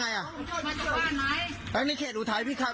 เพราะผมไม่ได้หนีครับ